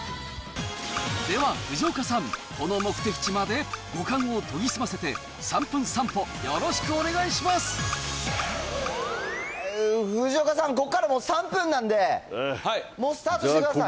では、藤岡さん、この目的地まで五感を研ぎ澄ませて、３分散歩よろしくお願いしま藤岡さん、ここからもう３分なんで、もうスタートしてください。